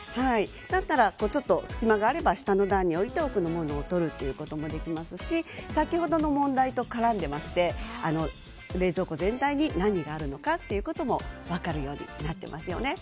だったら隙間があれば下の段に置いて奥のものを取ることもできますし先ほどの問題と絡んでいまして冷蔵庫全体に何があるのかも分かるようになっていますよね。